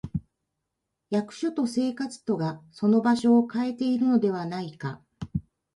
役所と生活とがその場所をかえているのではないか、と思われるほど、この両者はもつれ合っていた。たとえば、これまでのところはただ形式的にすぎない、